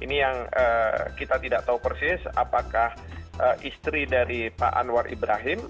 ini yang kita tidak tahu persis apakah istri dari pak anwar ibrahim